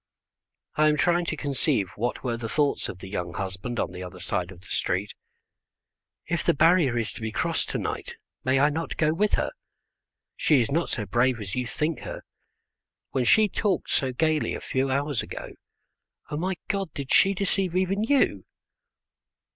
I am trying to conceive what were the thoughts of the young husband on the other side of the street. "If the barrier is to be crossed to night may I not go with her? She is not so brave as you think her. When she talked so gaily a few hours ago, O my God, did she deceive even you?"